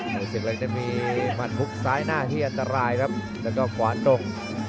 สุดนี้จะมีมันพุกซ้ายหน้าที่อัตรายครับแล้วก็กวานตรง